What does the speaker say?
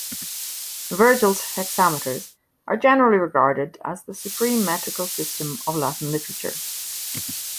Virgil's hexameters are generally regarded as the supreme metrical system of Latin literature.